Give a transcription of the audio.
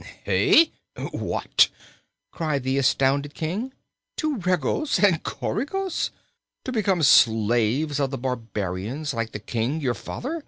"Hey? What!" cried the astounded King. "To Regos and Coregos! To become slaves of the barbarians, like the King, your father?